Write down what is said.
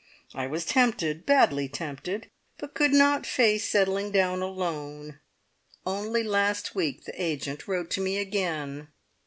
I was tempted badly tempted, but could not face settling down alone. Only last week the agent wrote to me again.